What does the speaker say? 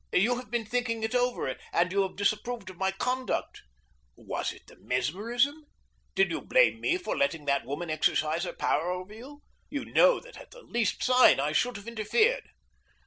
You have been thinking it over and you have disapproved of my conduct. Was it the mesmerism? Did you blame me for letting that woman exercise her power over you? You know that at the least sign I should have interfered."